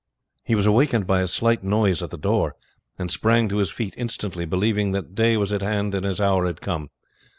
He was awakened by a slight noise at the door, and sprang to his feet instantly, believing that day was at hand and his hour had come.